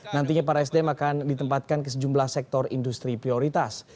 nantinya para sdm akan ditempatkan ke sejumlah sektor industri prioritas